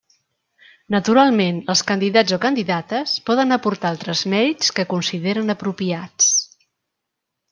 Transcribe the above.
Naturalment, els candidats o candidates poden aportar altres mèrits que consideren apropiats.